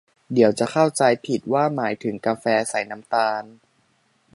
เดี๋ยวจะเข้าใจผิดว่าหมายถึงกาแฟใส่น้ำตาล